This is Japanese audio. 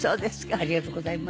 ありがとうございます。